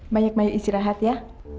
banyak baik istirahat ya